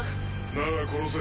なら殺せ。